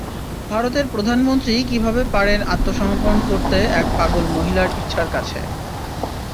ভারতের প্রধানমন্ত্রী কিভাবে পারেন আত্মসমর্পণ করতে এক পাগল মহিলার ইচ্ছার কাছে।